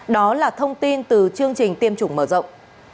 đó là thông tin từ chương trình tiêm chủng mở rộng